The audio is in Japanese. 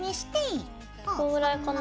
こんぐらいかな？